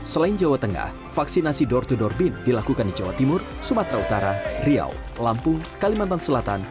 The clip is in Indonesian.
selain jawa tengah vaksinasi door to door bin dilakukan di jawa timur sumatera utara riau lampung kalimantan selatan